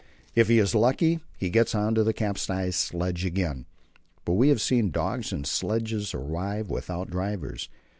If he is lucky he gets on to the capsized sledge again, but we have seen dogs and sledges arrive without drivers.